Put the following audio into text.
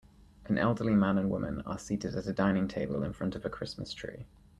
An elderly man and woman are seated at a dining table in front of a Christmas tree.